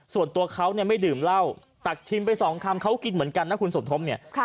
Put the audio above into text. ส่วนตัวเขาเนี่ยไม่ดื่มเหล้าตักชิมไปสองคำเขากินเหมือนกันนะคุณสมทบเนี่ย